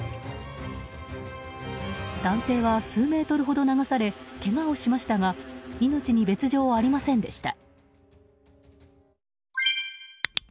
男性は数メートルほど流されけがをしましたが命に別条はありませんでした。